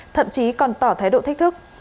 thậm chí còn tỏ thái độ thích thức